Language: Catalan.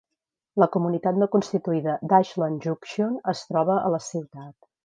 La comunitat no constituïda d'Ashland Junction es troba a la ciutat.